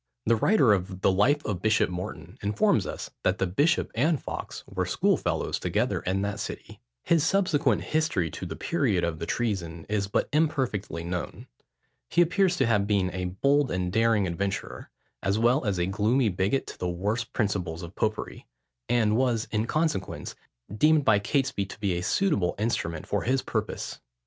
The writer of the Life of Bishop Morton informs us that the bishop and Fawkes were schoolfellows together in that city. His subsequent history to the period of the treason, is but imperfectly known. He appears to have been a bold and daring adventurer, as well as a gloomy bigot to the worst principles of popery; and was, in consequence, deemed by Catesby to be a suitable instrument for his purpose.